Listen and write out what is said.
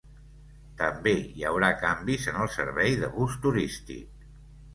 També hi haurà canvis en el servei de bus turístic.